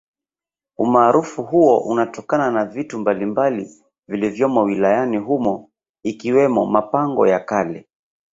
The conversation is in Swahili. Umarufu huo unatokana na vitu mbalimbali vilivyomo wilayani humo ikiwemo mapango ya kale